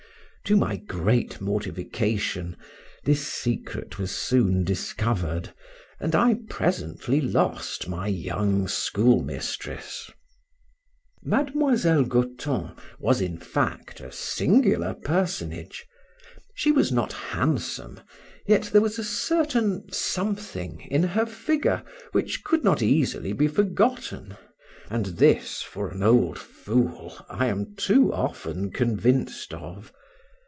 To my great mortification, this secret was soon discovered, and I presently lost my young schoolmistress. Miss Goton was, in fact, a singular personage. She was not handsome, yet there was a certain something in her figure which could not easily be forgotten, and this for an old fool, I am too often convinced of.